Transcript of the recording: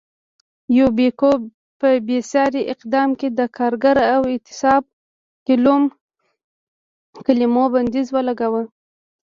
یوبیکو په بېساري اقدام کې د کارګر او اعتصاب کلیمو بندیز ولګاوه.